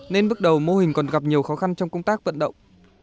nên bước đầu mô hình còn gặp nhiều khó khăn trong công tác vận động